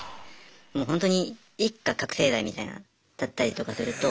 もうほんとに一家覚醒剤みたいなだったりとかすると。